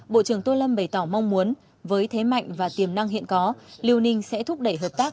bộ trưởng tô lâm bày tỏ mong muốn với thế mạnh và tiềm năng hiện có liêu ninh sẽ thúc đẩy hợp tác